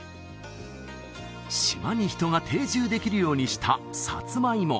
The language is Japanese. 島に人が定住できるようにしたサツマイモ